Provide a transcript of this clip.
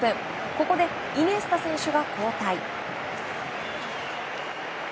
ここでイニエスタ選手が交代。